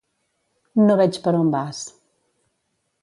No veig per on vas.